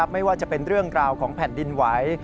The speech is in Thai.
ไม่ว่าจะเป็นเรื่องราวของแผ่นดินไหว